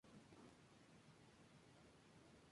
El mármol de las canteras griegas fue una valiosa mercancía.